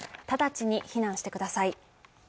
直ちに避難してください。